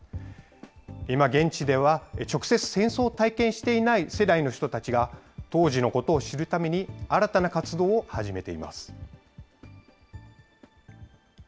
今、現地では、直接戦争を体験していない世代の人たちが、当時のことを知るために新たな活動を始めています。